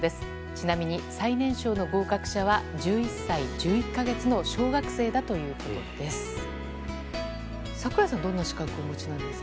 ちなみに最年少の合格者は１１歳１１か月の小学生だということです。